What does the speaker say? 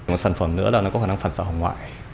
một sản phẩm nữa là nó có khả năng phản xã hồng ngoại